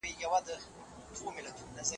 موږ به په ګډه د فساد پر وړاندې مبارزه وکړو.